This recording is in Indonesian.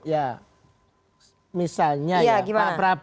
ya misalnya ya